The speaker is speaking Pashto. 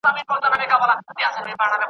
استادان زده کوونکو ته لارښوونه کوي.